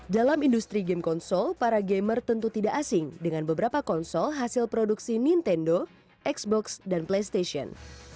dalam industri game konsol para gamer tentu tidak asing dengan beberapa konsol hasil produksi nintendo xbox dan playstation